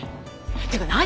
っていうか何？